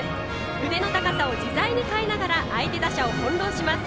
腕の高さを自在に変えながら相手打者を翻弄します。